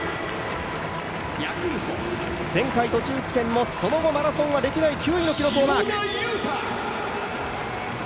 前回途中棄権も、その後マラソンは歴代９位の記録をマーク。